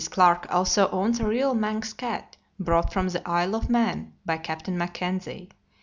Clarke also owns a real Manx cat, brought from the Isle of Man by Captain McKenzie.